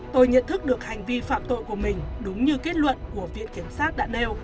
tôi nhận thức được hành vi phạm tội của mình đúng như kết luận của viện kiểm sát đã nêu